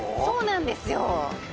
そうなんですよ